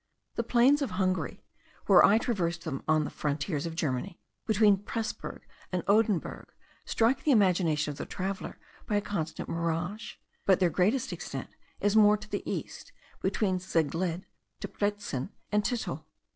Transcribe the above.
The plains of Hungary, where I traversed them on the frontiers of Germany, between Presburg and Oedenburg, strike the imagination of the traveller by the constant mirage; but their greatest extent is more to the east, between Czegled, Debreczin, and Tittel.